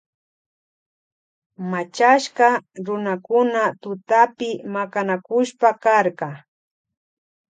Machashka runakuna tutapi makanakushpa karka.